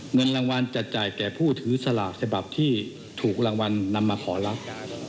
เงินรางวัลจะจ่ายแก่ผู้ถือสลากฉบับที่ถูกรางวัลนำมาขอรับ